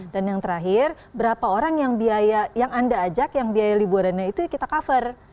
dan yang terakhir berapa orang yang biaya yang anda ajak yang biaya liburannya itu kita cover